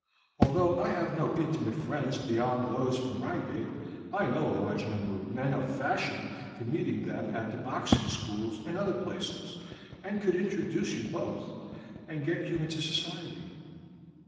Although I have no intimate friends beyond those from Reigate, I know a large number of men of fashion from meeting them at the boxing schools and other places, and could introduce you both, and get you into society."